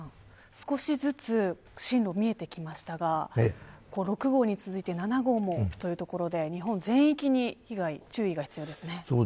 少しずつ進路、見えてきましたが６号に続いて７号もというところで日本全域に注意が必要ですね。